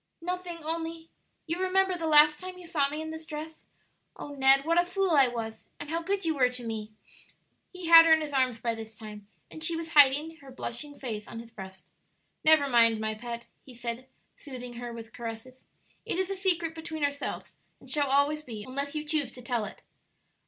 "Nothing, only you remember the last time you saw me in this dress? Oh, Ned, what a fool I was! and how good you were to me!" He had her in his arms by this time, and she was hiding her blushing face on his breast. "Never mind, my pet," he said, soothing her with caresses; "it is a secret between ourselves, and always shall be, unless you choose to tell it."